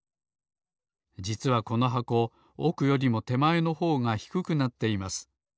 じつはこの箱おくよりもてまえのほうがひくくなっています。